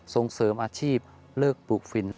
ส่งเสริมอาชีพเลิกปลูกฟิน